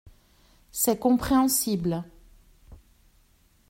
C’est compréhensible.